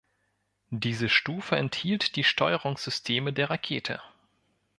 Diese Stufe enthielt die Steuerungssysteme der Rakete.